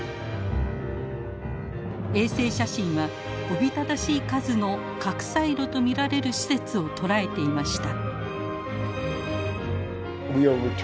衛星写真はおびただしい数の核サイロと見られる施設を捉えていました。